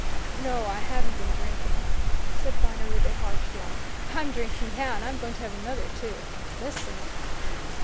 "No I haven't been drinking," said Viner with a harsh laugh. "I'm drinking now, and I'm going to have another, too. Listen!"